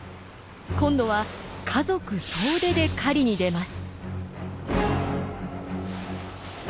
今度は家族総出で狩りに出ます。